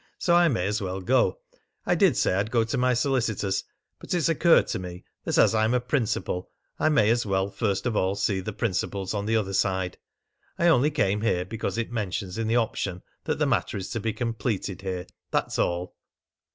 So I may as well go. I did say I'd go to my solicitors; but it's occurred to me that as I'm a principal I may as well first of all see the principals on the other side. I only came here because it mentions in the option that the matter is to be completed here; that's all."